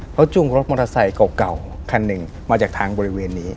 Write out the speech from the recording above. เขาจุ้งรถมอเตอร์ไซค์เก่าคันหนึ่งมาจากทางบริเวณนี้